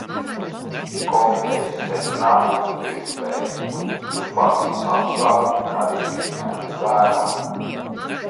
Komitejas secinājumos pirktspēja un inflācijas apsvērumi arī ir ņemti vērā.